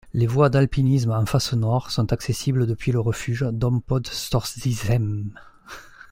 Les voies d'alpinisme en face nord sont accessibles depuis le refuge Dom pod Storžičem.